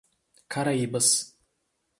Caraíbas